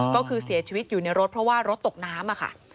ก็คือเสียชีวิตอยู่ในรถเพราะว่ารถตกน้ำค่ะ